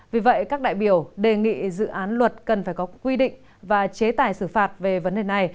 vì vậy các đại biểu đề nghị dự án luật cần phải có quy định và chế tài xử phạt về vấn đề này